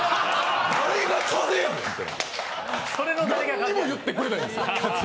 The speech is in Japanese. なんにも言ってくれないんですよ。